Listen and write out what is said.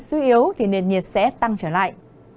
suy yếu thì nền nhiệt sẽ tăng trở lại